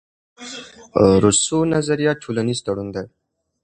روسو نظریه ټولنیز تړون دئ.